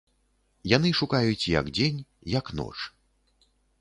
Яны шукаюць як дзень, як ноч.